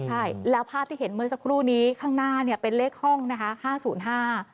ใช่แล้วภาพที่เห็นเมื่อสักครู่นี้ข้างหน้าเนี่ยเป็นเลขห้องนะคะห้าศูนย์ห้า